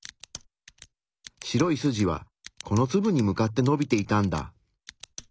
白い筋はこのツブに向かってのびていたんだ。